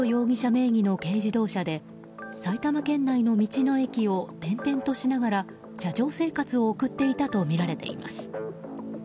名義の軽自動車で埼玉県内の道の駅を転々としながら車上生活を送っていたとみられています。